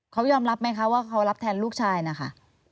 เขายอมรับไหมคะว่าเขารับแทนลูกชายนะคะ